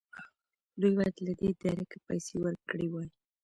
دوی باید له دې درکه پیسې ورکړې وای.